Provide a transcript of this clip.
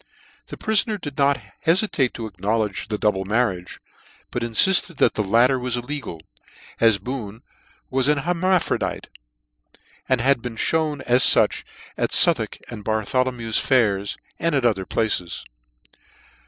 The prifoner did not heficate to acknowledge the double marriage, but infilled that the latter was illegal, as Boone was an hermaphrodite, and had been Ihewn as fuch at Southwark and Bartholo mew fairs, and at other places.